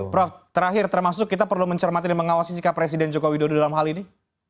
prof terakhir termasuk kita perlu mencermati dan mengawasi sikap presiden joko widodo dalam hal ini